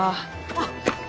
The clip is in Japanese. あっ！